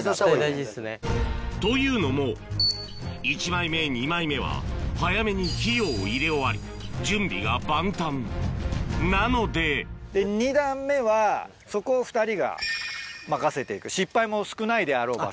大事ですね。というのも１枚目２枚目は早めに肥料を入れ終わりなので２段目はそこを２人が。任せていく失敗も少ないであろう場所。